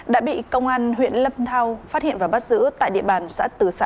đã bị công an huyện lâm thao phát hiện và bắt giữ tại địa bàn xã tứ xã